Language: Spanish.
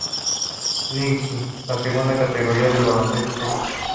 Ligi, la segunda categoría del baloncesto turco.